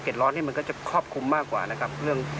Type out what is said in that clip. ร้อนนี่มันก็จะครอบคลุมมากกว่านะครับ